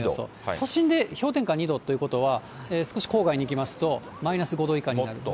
都心で氷点下２度ということは、少し郊外に行きますと、マイナス５度以下になると。